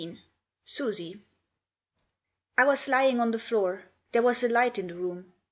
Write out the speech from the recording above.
SUSIE. I WAS lying on the floor. There was a light in the room.